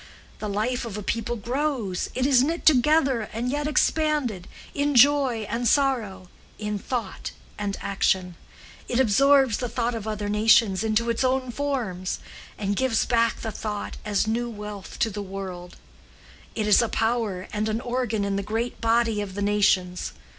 The life of a people grows, it is knit together and yet expanded, in joy and sorrow, in thought and action; it absorbs the thought of other nations into its own forms, and gives back the thought as new wealth to the world; it is a power and an organ in the great body of the nations.